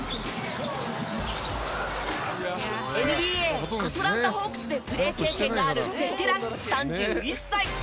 ＮＢＡアトランタ・ホークスでプレー経験があるベテラン、３１歳。